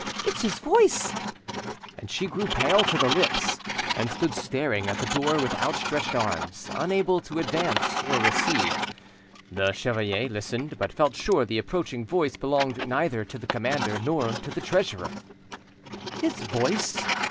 it's his voice!" She grew pale to the lips, and stood staring at the door with outstretched arms, unable to advance or recede. The chevalier listened, but felt sure the approaching voice belonged neither to the commander nor to the treasurer. "'His voice'?"